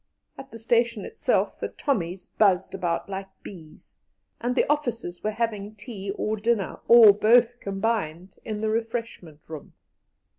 At the station itself the "Tommys" buzzed about like bees, and the officers were having tea or dinner, or both combined, in the refreshment room.